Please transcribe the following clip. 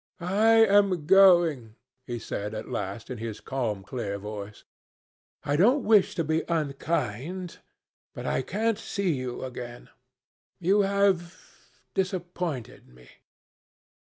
"I am going," he said at last in his calm clear voice. "I don't wish to be unkind, but I can't see you again. You have disappointed me."